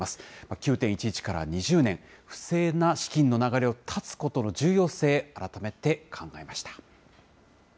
９・１１から２０年、不正な資金の流れを断つことの重要性、改めて考えました。